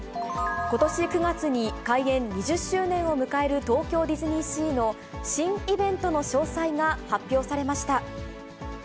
ことし９月に開園２０周年を迎える東京ディズニーシーの新イベントの詳細が発表されました。